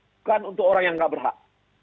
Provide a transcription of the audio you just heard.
bukan untuk orang yang nggak berhak